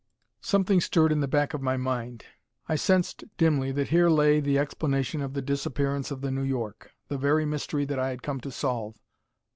Something stirred in the back of my mind. I sensed dimly that here lay the explanation of the disappearance of the New York, the very mystery that I had come to solve.